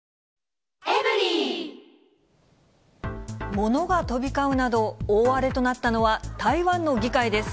物が飛び交うなど、大荒れとなったのは、台湾の議会です。